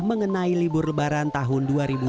mengenai libur lebaran tahun dua ribu dua puluh